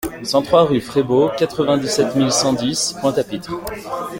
cent trois rue Frebault, quatre-vingt-dix-sept mille cent dix Pointe-à-Pitre